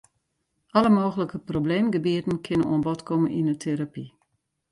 Alle mooglike probleemgebieten kinne oan bod komme yn 'e terapy.